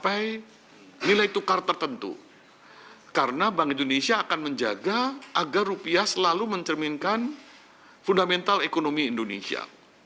mencapai nilai tukar tertentu karena bank indonesia akan menjaga agar rupiah selalu mencerminkan fundamental ekonomi indonesia